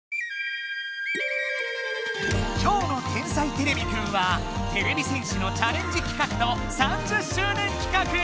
今日の「天才てれびくん」はてれび戦士のチャレンジ企画と３０周年企画！